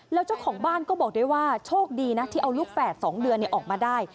แล้วเจ้าของบ้านก็บอกด้วยว่าโชคดีนะที่เอาลูกแฝด๒เดือนออกมาได้